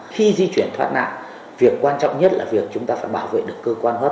khi di chuyển thoát nạn việc quan trọng nhất là việc chúng ta phải bảo vệ được cơ quan hấp